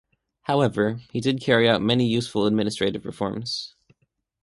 However, he did carry out many useful administrative reforms.